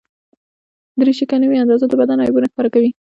دریشي که نه وي اندازه، د بدن عیبونه ښکاره کوي.